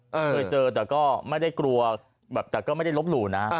เคยเจอแต่ก็ไม่ได้กลัวแบบแต่ก็ไม่ได้ลบหลู่นะ